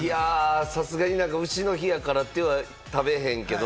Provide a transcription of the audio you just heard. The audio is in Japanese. さすがに丑の日やからって、食べへんけど。